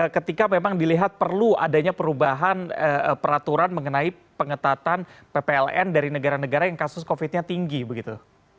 ketika memang dilihat perlu adanya perubahan peraturan mengenai pengetatan ppln dari negara negara yang kasus covid nya tinggi begitu